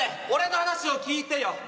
俺の話を聞いてよ。